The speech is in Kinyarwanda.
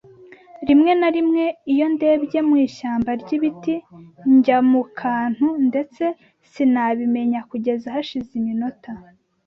Rimwe na rimwe, iyo ndebye mu ishyamba ryibiti, njya mu kantu ndetse sinabimenya kugeza hashize iminota.